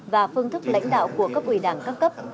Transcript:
và phương thức lãnh đạo của cấp ủy đảng các cấp